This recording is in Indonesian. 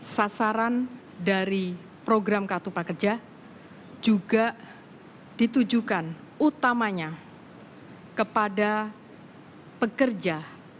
sasaran dari program kartu prakerja juga ditujukan utamanya kepada pekerja